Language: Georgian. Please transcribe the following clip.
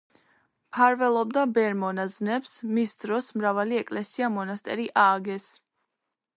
მფარველობდა ბერ-მონაზვნებს, მის დროს მრავალი ეკლესია-მონასტერი ააგეს.